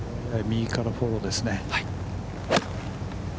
右からのフォローですね。